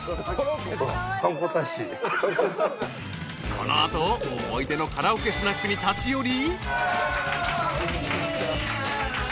［この後思い出のカラオケスナックに立ち寄り］